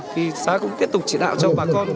thì xã cũng tiếp tục chỉ đạo cho bà con